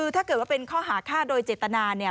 ถ้าเกิดว่าเป็นข้อหาฆ่าโดยเจตนาเนี่ย